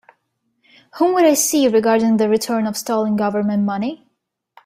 Whom would I see regarding the return of stolen Government money?